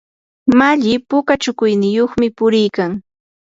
malli puka shukuyniyuqmi puriykan.